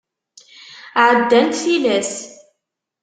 Ɛeddant tilas.